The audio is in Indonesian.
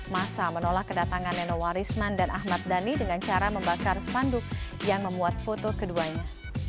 masa menolak kedatangan nenowarisman dan ahmad dhani dengan cara membakar spanduk yang memuat foto keduanya